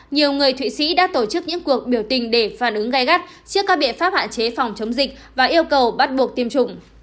nhiều người thụy sĩ đã tổ chức những cuộc biểu tình để phản ứng gai gắt trước các biện pháp hạn chế phòng chống dịch và yêu cầu bắt buộc tiêm chủng